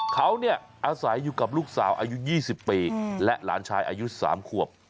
เขาอาศัยอยู่กับลูกสาวอายุ๒๐ปีและหลานชายอายุ๓ขวบ